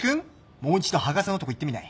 もう一度羽賀さんのとこ行ってみない？